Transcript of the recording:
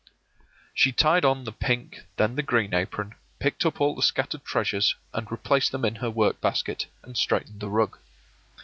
She tied on the pink, then the green apron, picked up all the scattered treasures and replaced them in her work basket, and straightened the rug.